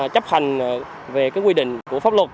chấp hành về quy định của pháp luật